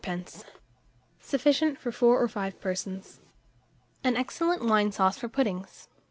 Sufficient for 4 or 5 persons. AN EXCELLENT WINE SAUCE FOR PUDDINGS.